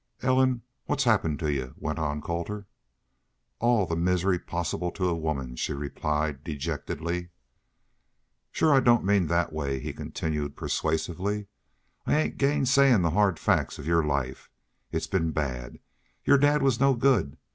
"Ellen, what's happened to y'u?" went on Colter. "All the misery possible to a woman," she replied, dejectedly. "Shore I don't mean that way," he continued, persuasively. "I ain't gainsayin' the hard facts of your life. It's been bad. Your dad was no good....